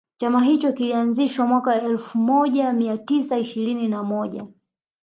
Chama hicho kilianzishwa mwaka wa elfumoja mia tisa ishirini na moja